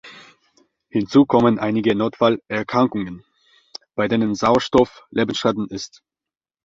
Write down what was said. Hinzu kommen einige Notfall-Erkrankungen, bei denen Sauerstoff lebensrettend ist.